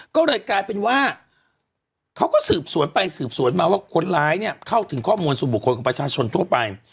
ก็เลยกลายเป็นว่าเขาก็สืบสวนไปสืบสวนมาว่าคนร้ายเนี่ยเข้าถึงข้อมูลสู่บุคคลของประชาชนทั่วไป